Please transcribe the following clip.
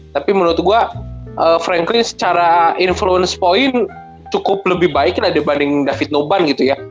tapi menurut gue franky secara influence point cukup lebih baik lah dibanding david noban gitu ya